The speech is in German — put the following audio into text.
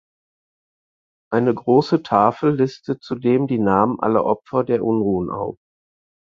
Eine große Tafel listet zudem die Namen alle Opfer der Unruhen auf.